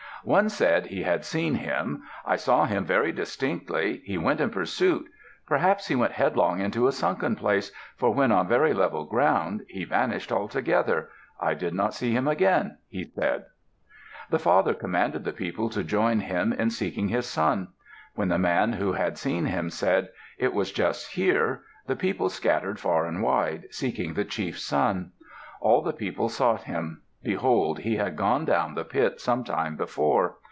One said he had seen him. "I saw him very distinctly. He went in pursuit. Perhaps he went headlong into a sunken place, for when on very level ground he vanished altogether. I did not see him again," he said. The father commanded the people to join him in seeking his son. When the man who had seen him said, "It was just here," the people scattered far and wide, seeking the chief's son. All the people sought him. Behold, he had gone down the pit some time before.